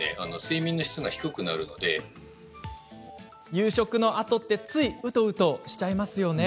夕食のあとって、ついうとうとしちゃいますよね？